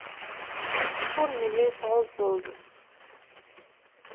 Ur nelli nesɛuẓẓug.